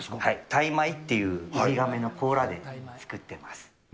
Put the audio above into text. タイマイっていう海亀の甲羅で作ってます。